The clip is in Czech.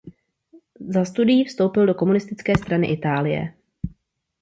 Za studií vstoupil do Komunistické strany Itálie.